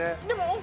でも。